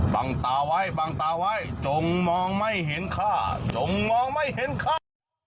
ตาไว้บังตาไว้จงมองไม่เห็นข้าจงมองไม่เห็นข้า